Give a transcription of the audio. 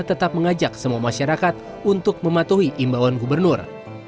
tetap mengajak semua masyarakat untuk mematuhi imbauan gubernur